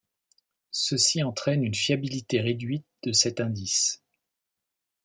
Ceci entraîne une fiabilité réduite de cet indice.